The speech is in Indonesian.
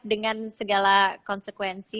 dengan segala konsekuensi